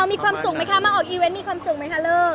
มีความสุขไหมคะมีความสุขไหมคะมีความสุขไหมคะ